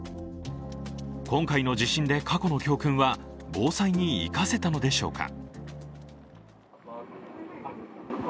今回の地震で過去の教訓は防災に生かせたのでしょうか。